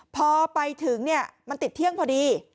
พอไปถึงมันติดเที่ยงพอดี